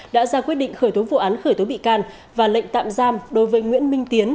đã ra quyết định khởi tố vụ án khởi tố bị can và lệnh tạm giam đối với nguyễn minh tiến